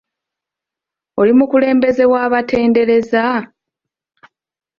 Oli mukulembeze w'abatendereza?